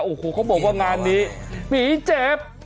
โอ้โหเขาบอกว่างานนี้ผีเจ็บ